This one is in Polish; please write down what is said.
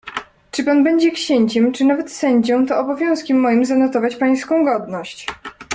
"Czy pan będzie księciem, czy nawet sędzią, to obowiązkiem moim zanotować pańską godność."